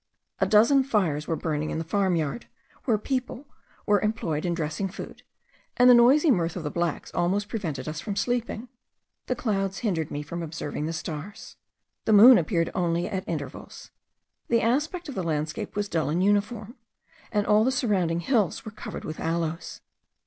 A dozen fires were burning in the farm yard, where people were employed in dressing food, and the noisy mirth of the blacks almost prevented us from sleeping. The clouds hindered me from observing the stars; the moon appeared only at intervals. The aspect of the landscape was dull and uniform, and all the surrounding hills were covered with aloes.